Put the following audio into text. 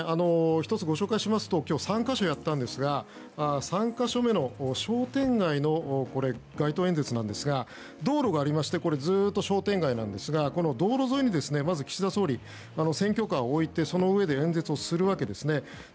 １つ、ご紹介しますと今日、３か所やったんですが３か所目の商店街のこれは街頭演説ですが道路がありましてこれ、ずっと商店街なんですがこの道路沿いにまず、岸田総理は選挙カーを置いて、その上で演説をするわけですね。